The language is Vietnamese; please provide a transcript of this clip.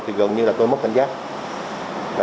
thì gần như là tôi mất cảnh giác